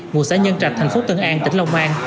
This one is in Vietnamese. ngụ xã nhân trạch thành phố tân an tỉnh long an